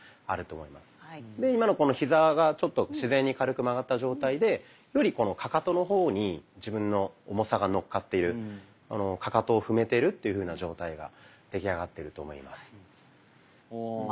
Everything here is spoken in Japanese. で今のヒザがちょっと自然に軽く曲がった状態でよりかかとの方に自分の重さが乗っかっているかかとを踏めてるっていうふうな状態が出来上がってると思います。